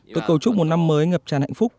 tôi cầu chúc một năm mới ngập tràn hạnh phúc